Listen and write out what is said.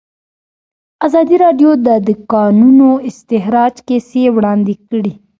ازادي راډیو د د کانونو استخراج کیسې وړاندې کړي.